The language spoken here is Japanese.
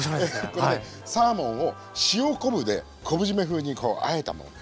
これねサーモンを塩昆布で昆布じめ風にこうあえたものですね。